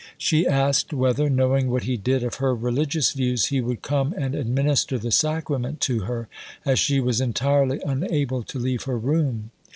She asked whether, knowing what he did of her religious views, he would come and administer the Sacrament to her, as she was entirely unable to leave her room.